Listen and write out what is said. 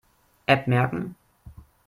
App merken.